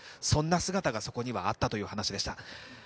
そんな姿がそこにはあったという話でした。